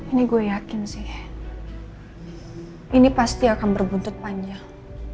ini gue yakin sih ini pasti akan berbuntut panjang